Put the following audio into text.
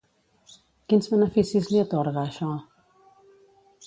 Quins beneficis li atorga això?